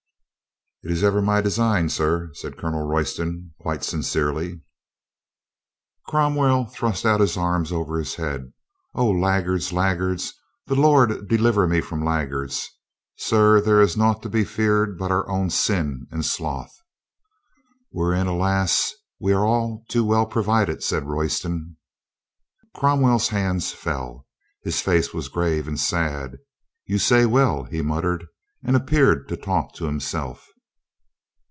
"It is ever my design, sir," said Colonel Royston quite sincerely. Cromwell thrust out his arms over his head. "O, laggards, laggards ! The Lord deliver me from AN HONEST MAN 239 laggards! Sir, there is naught to be feared but our own sin and sloth." "Wherein, alas, we are too well provided," said Royston. Cromwell's hands fell. His face was grave and sad. "You say well," he muttered, and appeared to talk to himself.